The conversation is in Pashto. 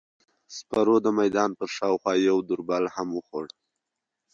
سپرو د میدان پر شاوخوا یو دور بل هم وخوړ.